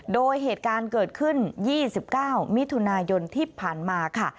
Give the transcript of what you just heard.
โดยเหตุการณ์เกิดขึ้น๒๙มิถุนายนที่ผ่านมาค่ะ